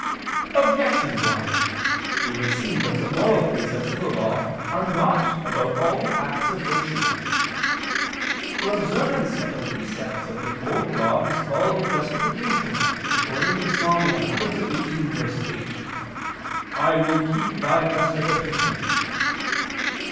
Objection 1: It would seem that the moral precepts of the Law are not about all the acts of virtue. For observance of the precepts of the Old Law is called justification, according to Ps. 118:8: "I will keep Thy justifications."